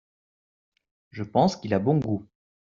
Je pense qu'il a bon goût.